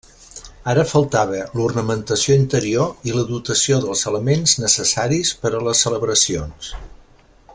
Ara faltava l'ornamentació interior i la dotació dels elements necessaris per a les celebracions.